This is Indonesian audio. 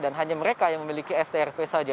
dan hanya mereka yang memiliki strp saja